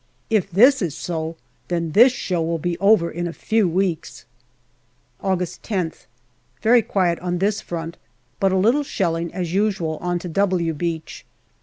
If this is so, then this show will be over in a few weeks. August 10th. Very quiet on this front, but a little shelling as usual on to " W" Beach.